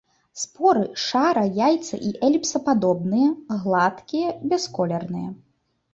Споры шара-, яйца- і эліпсападобныя, гладкія, бясколерныя.